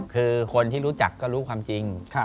คือคนที่รู้จักก็รู้ความจริง